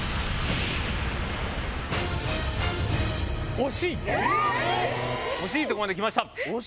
惜しいとこまで来ました。